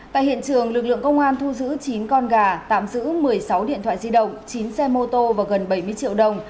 tại hiện trường lực lượng công an thu giữ chín con gà tạm giữ một mươi sáu điện thoại di động chín xe mô tô và gần bảy mươi triệu đồng